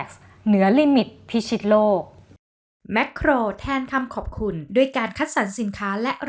เพราะพี่ชัยสัญญากับนิดไว้ว่า